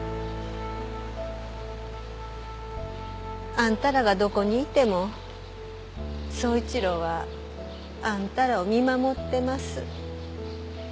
あんたらがどこにいても宗一郎はあんたらを見守ってます。